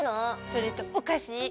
それとおかし！